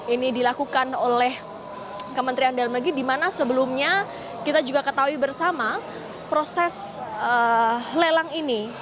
ini dilakukan oleh kementerian dalam negeri di mana sebelumnya kita juga ketahui bersama proses lelang ini